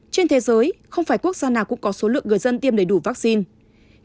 trên thế giới không phải quốc gia nào cũng có số lượng người dân tiêm đầy đủ vaccine